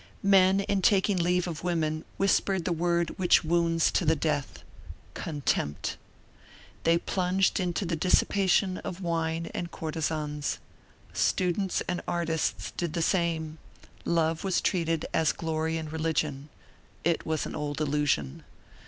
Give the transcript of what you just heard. Men in taking leave of women whispered the word which wounds to the death: contempt. They plunged into the dissipation of wine and courtesans. Students and artists did the same; love was treated as glory and religion: it was an old illusion.